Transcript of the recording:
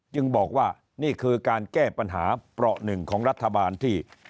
บอกว่านี่คือการแก้ปัญหาเปราะหนึ่งของรัฐบาลที่